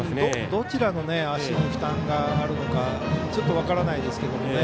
どちらの足に負担があるか分からないですけど。